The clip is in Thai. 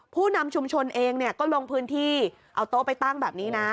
ผู้นำชุมชนเองเนี่ยก็ลงพื้นที่เอาโต๊ะไปตั้งแบบนี้นะ